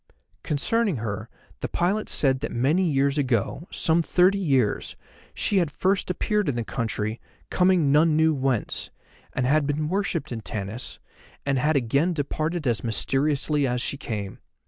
Concerning her the pilot said that many years ago, some thirty years, she had first appeared in the country, coming none knew whence, and had been worshipped in Tanis, and had again departed as mysteriously as she came.